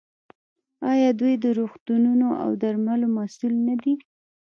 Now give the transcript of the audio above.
آیا دوی د روغتونونو او درملو مسوول نه دي؟